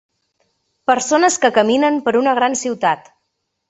Persones que caminen per una gran ciutat.